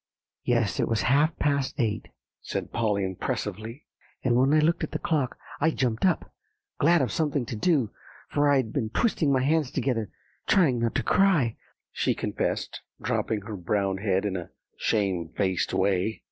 "Yes, it was half past eight," said Polly impressively. "And when I looked at the clock, I jumped up, glad of something to do; for I'd been twisting my hands together, trying not to cry," she confessed, drooping her brown head in a shamedfaced way.